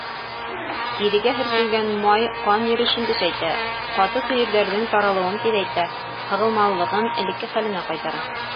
Тирегә һөртөлгән май ҡан йөрөшөн көсәйтә, ҡаты төйөрҙәрҙең таралыуын тиҙәйтә, һығылмалылығын элекке хәленә ҡайтара.